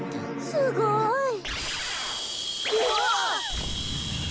すごい。うわ！